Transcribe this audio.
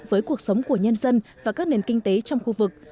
với cuộc sống của nhân dân và các nền kinh tế trong khu vực